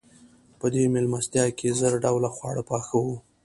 په دې مېلمستیا کې زر ډوله خواړه پاخه وو.